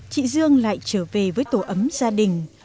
chị dương lại trở về với tổ ấm gia đình